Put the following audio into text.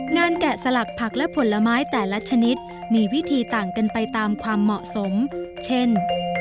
แกะสลักผักและผลไม้แต่ละชนิดมีวิธีต่างกันไปตามความเหมาะสมเช่น